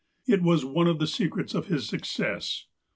It was one of the secrets of his success.